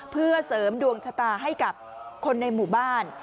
เพื่อเสริมดวงชะตาให้กับคนในหมู่บ้าน